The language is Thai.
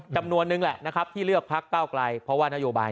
จำนวนนึงแหละนะครับที่เลือกพักเก้าไกลเพราะว่านโยบาย